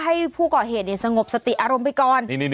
ให้ผู้ก่อเหตุสงบสติอารมณ์ไปก่อน